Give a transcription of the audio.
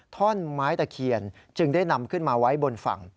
ท่อนไม้ตะเคียนจึงได้นำขึ้นมาไว้บนฝั่ง